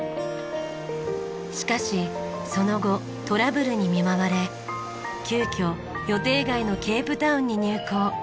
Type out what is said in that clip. しかしその後トラブルに見舞われ急きょ予定外のケープタウンに入港。